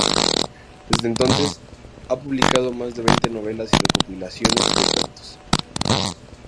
Desde entonces ha publicado más de veinte novelas y recopilaciones de cuentos.